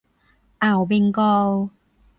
อ่าวเบงกอล